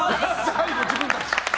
最後、自分たち！